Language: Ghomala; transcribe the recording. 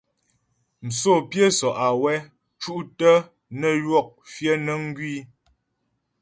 Msǒ pyə́ sɔ’ awɛ ́ cú’ tə́ nə ywɔk fyə̌ nəŋ wii.